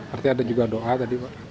artinya ada juga doa tadi pak